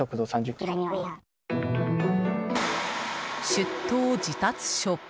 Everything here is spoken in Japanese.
出頭示達書。